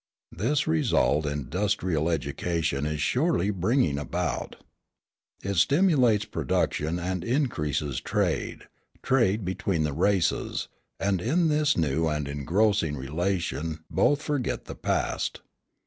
This result industrial education is surely bringing about. It stimulates production and increases trade, trade between the races; and in this new and engrossing relation both forget the past.